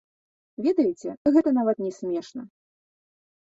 Ведаеце, гэта нават не смешна.